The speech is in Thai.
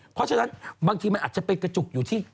เพราะฉะนั้นบางทีมันอาจจะไปกระจุกอยู่ที่